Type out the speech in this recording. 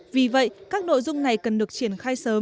vì vậy các nội dung này cần được triển khai sớm